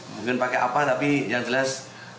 mungkin pakai apa tapi yang jelas